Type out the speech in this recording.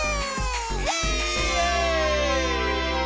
イエーイ！